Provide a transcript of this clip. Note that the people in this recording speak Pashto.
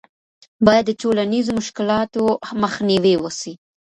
باید د ټولنیزو مشکلاتو مخنیوی وسي.